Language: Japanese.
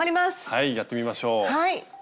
はいやってみましょう。